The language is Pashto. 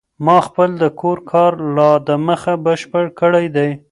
ما خپل د کور کار لا د مخه بشپړ کړی دی.